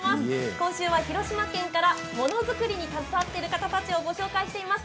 今週は広島県からものづくりに関わる人をご紹介しています。